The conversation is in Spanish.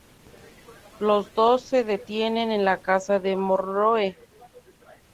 Los dos se detienen en la casa de Monroe.